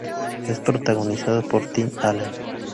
Es protagonizada por Tim Allen.